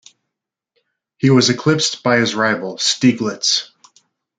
He was eclipsed by his rival, Stieglitz.